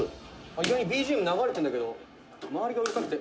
「意外にＢＧＭ流れてるんだけど周りがうるさくて」